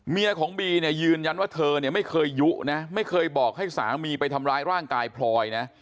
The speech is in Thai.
เมียของบีเนี่ยยืนยันว่าเธอเนี่ยไม่เคยยุนะไม่เคยบอกให้สามีไปทำร้ายร่างกายพลอยนะ